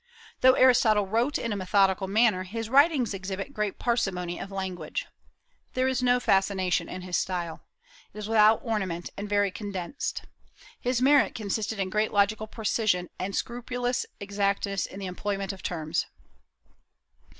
Though Aristotle wrote in a methodical manner, his writings exhibit great parsimony of language. There is no fascination in his style. It is without ornament, and very condensed. His merit consisted in great logical precision and scrupulous exactness in the employment of terms.